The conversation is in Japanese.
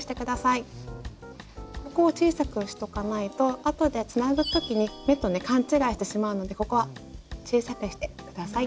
ここを小さくしとかないとあとでつなぐ時に目とね勘違いしてしまうのでここは小さくして下さい。